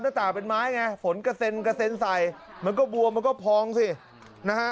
ต่างเป็นไม้ไงฝนกระเซ็นกระเซ็นใส่มันก็บวมมันก็พองสินะฮะ